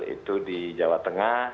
itu di jawa tengah